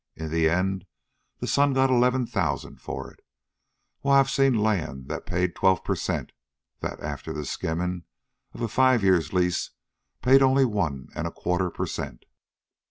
In the end the son got eleven thousand for it. Why, I've seen land that paid twelve per cent., that, after the skimming of a five years' lease, paid only one and a quarter per cent."